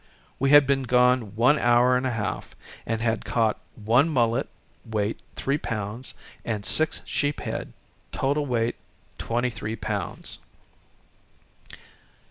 We had been gone one hour and a half, and had caught one mullet, weight three pounds, and six sheephead, total weight twenty three pounds..